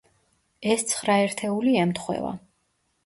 ეს ცხრა ერთეული ემთხვევა.